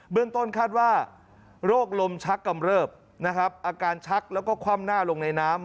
เรื่องต้นคาดว่าโรคลมชักกำเริบนะครับอาการชักแล้วก็คว่ำหน้าลงในน้ำ